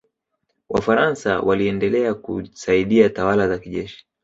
wafaransa waliendelea kusaidia tawala za kijeshi